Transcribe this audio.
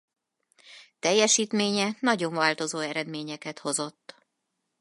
Teljesítménye nagyon változó eredményeket hozott.